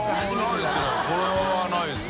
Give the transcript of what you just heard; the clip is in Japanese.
これはないですね。